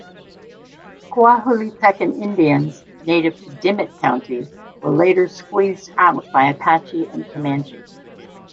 Coahuiltecan Indians native to Dimmit County were later squeezed out by Apache and Comanche.